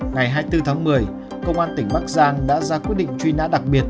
ngày hai mươi bốn tháng một mươi công an tỉnh bắc giang đã ra quyết định truy nã đặc biệt